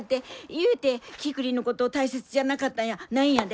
いうてキクリンのこと大切じゃなかったんやないんやで。